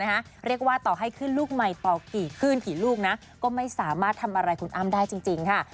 เรียกว่าต่อให้ขึ้นลูกใหม่ต่อกี่ขึ้นกี่ลูกนะก็ไม่สามารถทำอะไรคุณอ้ำได้จริงค่ะ